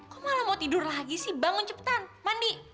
kok malah mau tidur lagi sih bangun cepetan mandi